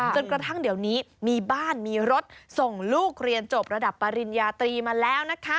จนกระทั่งเดี๋ยวนี้มีบ้านมีรถส่งลูกเรียนจบระดับปริญญาตรีมาแล้วนะคะ